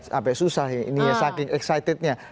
sampai susah ini ya saking excitednya